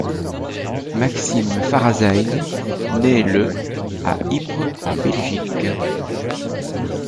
Maxime Farazijn naît le à Ypres en Belgique.